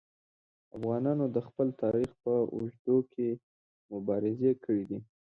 افغانانو د خپل تاریخ په اوږدو کې مبارزې کړي دي.